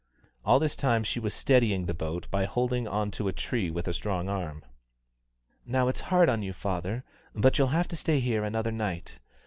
All this time she was steadying the boat by holding on to a tree with a strong arm. "Now it's hard on you, father, but you'll have to stay here another night.